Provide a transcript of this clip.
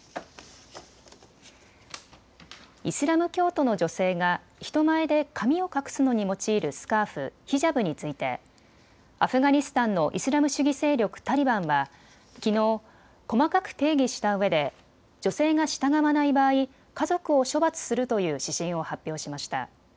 イスラム教徒の女性が人前で髪を隠すのに用いるスカーフ、ヒジャブについてアフガニスタンのイスラム主義勢力タリバンはきのう細かく定義したうえで女性が従わない場合、家族を処罰するという指針を発表しました。